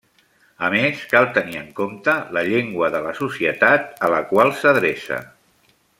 A més, cal tenir en compte la llengua de la societat a la qual s'adreça.